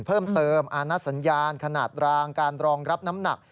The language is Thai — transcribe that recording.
เพิ่มเติมอาณัสสัญญาณขนาดรางการรองรับน้ำหนัก